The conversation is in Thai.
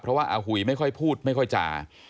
เพราะว่าอาหุยไม่ค่อยพูดไม่ค่อยจ่า